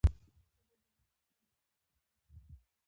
ازادي راډیو د تعلیم په اړه د ښځو غږ ته ځای ورکړی.